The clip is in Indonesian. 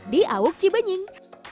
di awuk cibenying